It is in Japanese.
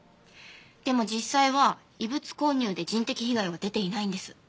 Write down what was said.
でも実際は異物混入で人的被害は出ていないんです。